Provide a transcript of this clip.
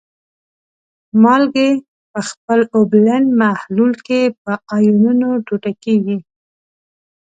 مالګې په خپل اوبلن محلول کې په آیونونو ټوټه کیږي.